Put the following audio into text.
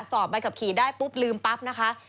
สอบใบขับขี่ได้ปุ๊บลืมปั๊บนะคะ